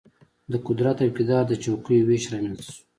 د قدرت او اقتدار د چوکیو وېش رامېنځته شو.